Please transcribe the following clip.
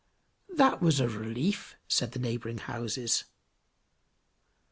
"That was a relief," said the neighboring houses.